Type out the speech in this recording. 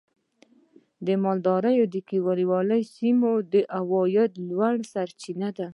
مالداري د کليوالو سیمو د عاید لویه سرچینه ده.